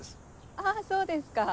あぁそうですか。